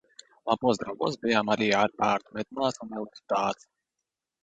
Labos draugos bijām arī ar bērnu medmāsu Melitu Dāci.